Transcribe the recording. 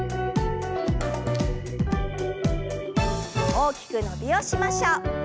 大きく伸びをしましょう。